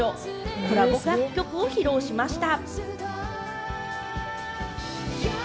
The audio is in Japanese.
コラボ楽曲を披露しました。